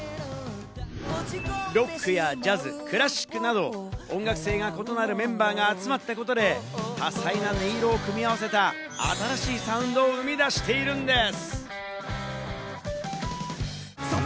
ロックやジャズ、クラシックなど、音楽性が異なるメンバーが集まったことで、多彩な音色を組み合わせた新しいサウンドを生み出しているんです。